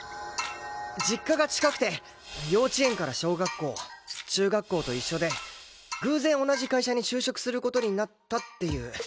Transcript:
実家が近くて幼稚園から小学校中学校と一緒で偶然同じ会社に就職する事になったっていう。